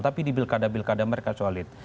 tapi di bilkada bilkada mereka solid